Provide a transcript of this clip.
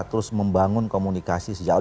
terus membangun komunikasi sejauh